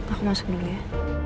aku masuk dulu ya